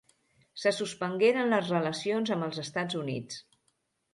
Se suspengueren les relacions amb els Estats Units.